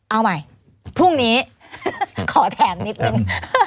เอาใหม่พรุ่งนี้ขอแถมนิดนึง